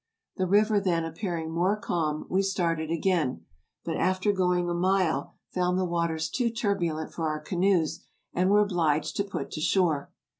The river then appearing more calm, we started again ; but after going a mile found the waters too turbulent for our canoes, and were obliged to put to shore.